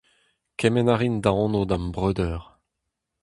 Kemenn a rin da anv d’am breudeur.